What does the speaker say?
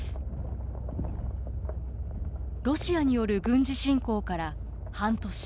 ロシアによる軍事侵攻から半年。